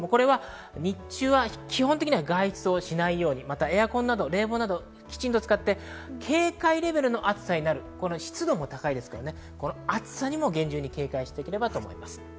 日中は基本的に外出しないようにエアコン、冷房などを使って警戒レベルの暑さになる湿度も高いので、暑さに警戒していただければと思います。